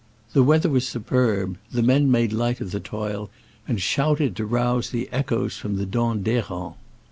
The weather was superb, the men made light of the toil, and shouted to rouse the echoes from the Dent d'H6rens.